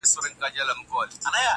پخوانیو زمانو کي یو دهقان وو-